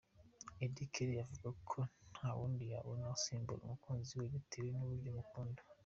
Auddy Kelly avuga ko nta wundi yabona asimbuza umukunzi we bitewe n’urwo amukunda.